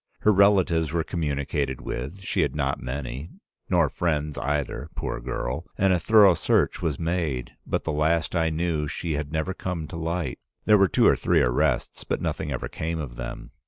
Her relatives were communicated with; she had not many, nor friends either, poor girl, and a thorough search was made, but the last I knew she had never come to light. There were two or three arrests, but nothing ever came of them.